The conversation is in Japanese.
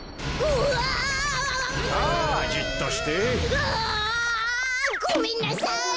うわ！ごめんなさい！